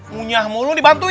punyah mulu dibantuin ya